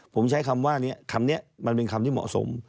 ผมใช้คำว่านี้คำนี้มันเป็นคำที่เหมาะสม